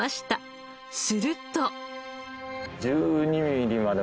すると。